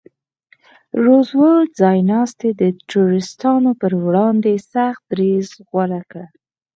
روزولټ ځایناستي د ټرستانو پر وړاندې سخت دریځ غوره کړ.